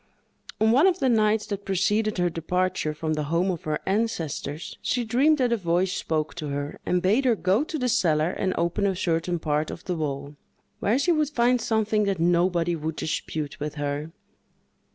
On one of the nights that preceded her departure from the home of her ancestors, she dreamed that a voice spoke to her, and bade her go to the cellar and open a certain part of the wall, where she would find something that nobody would dispute with her.